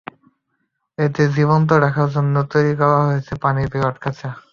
এদের জীবন্ত রাখার জন্য তৈরি করা হয়েছে পানির বিরাট বিরাট খাঁচা।